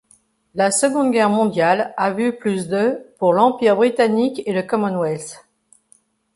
La Seconde Guerre mondiale a vu plus de pour l'Empire britannique et le Commonwealth.